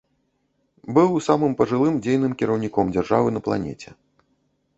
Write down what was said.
Быў самым пажылым дзейным кіраўніком дзяржавы на планеце.